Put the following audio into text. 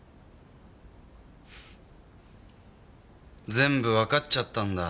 全部わかっちゃったんだ。